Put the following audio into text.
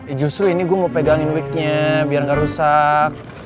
eh justru ini gua mau pegangin wignya biar gak rusak